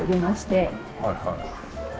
はいはい。